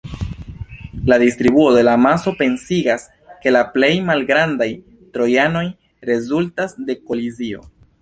La distribuo de la masoj pensigas, ke la plej malgrandaj trojanoj rezultas de kolizio.